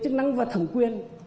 chức năng và thẩm quyền